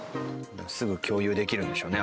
すぐ共有できるんでしょうね